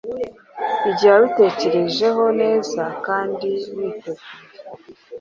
igihe wabitekerejeho neza kandi witeguye.